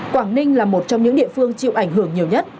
quảng ninh là một trong những địa phương chịu ảnh hưởng nhiều nhất